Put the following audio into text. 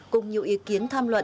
cùng nhiều ý kiến tham luận